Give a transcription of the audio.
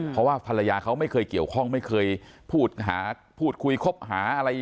เพราะว่าภรรยาเขาไม่เคยเกี่ยวข้องไม่เคยพูดคุยครบหา